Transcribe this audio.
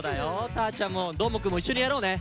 たーちゃんもどーもくんもいっしょにやろうね。